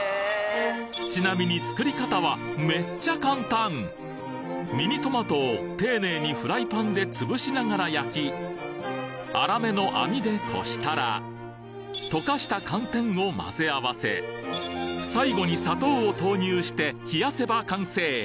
ちなみに作り方はめっちゃ簡単ミニトマトを丁寧にフライパンで潰しながら焼き粗めの網でこしたら溶かした寒天を混ぜ合わせ最後に砂糖を投入して冷やせば完成